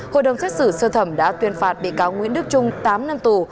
hội đồng xét xử sơ thẩm đã tuyên phạt bị cáo nguyễn đức trung tám năm tù